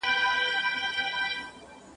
پټ یې د زړه نڅا منلای نه سم ..